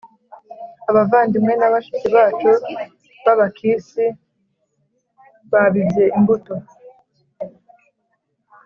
Abavandimwe na bashiki bacu b’Abakisi babibye imbuto